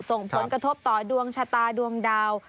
ส่งผลกระทบต่อดวงชะตาดวงดาว